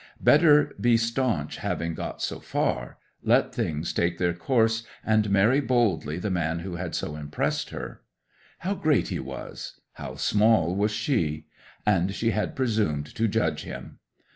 Better be staunch having got so far; let things take their course, and marry boldly the man who had so impressed her. How great he was; how small was she! And she had presumed to judge him!